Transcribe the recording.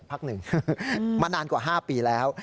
พักหนึ่งมานานกว่า๕ปีแล้ว